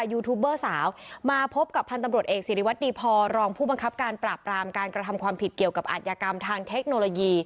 ยูทูบเบอร์สาวมาพบกับพันธุ์ตำรวจเอกสิริวัตรดีพอรองผู้บังคับการปราบปรามการกระทำความผิดเกี่ยวกับอัธยกรรมทางเทคโนโลยี